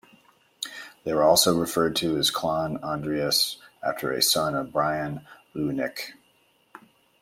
They were also referred to as Clann Andrias after a son of Brian Luighnech.